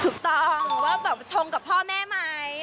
ถูกต้องว่าแบบชงกับพ่อแม่ไหม